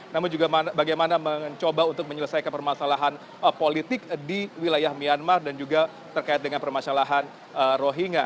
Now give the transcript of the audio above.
namun juga bagaimana mencoba untuk menyelesaikan permasalahan politik di wilayah myanmar dan juga terkait dengan permasalahan rohingya